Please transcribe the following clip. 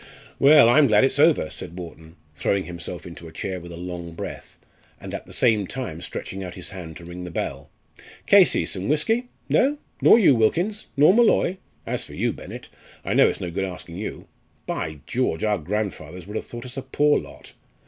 "Well, I'm glad it's over," said Wharton, throwing himself into a chair with a long breath, and at the same time stretching out his hand to ring the bell. "Casey, some whisky? No? Nor you, Wilkins? nor Molloy? As for you, Bennett, I know it's no good asking you. By George! our grandfathers would have thought us a poor lot!